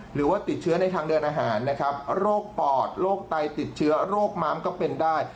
หรือว่าติดเชื้อในทางเดินอาหารนะครับโรคปอดโรคไตติดเชื้อโรคม้ามก็เป็นได้